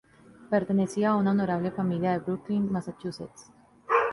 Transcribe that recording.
Pertenecía a una honorable familia de Brookline, Massachusetts.